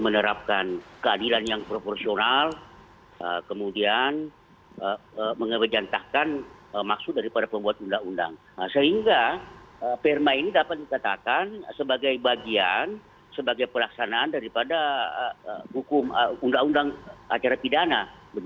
sebagai pelaksanaan daripada undang undang acara pidana